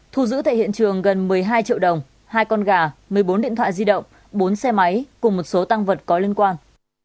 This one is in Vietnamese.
thu giữ tại hiện trường gần một mươi hai triệu đồng hai con gà một mươi bốn điện thoại di động bốn xe máy cùng một số tăng vật có liên quan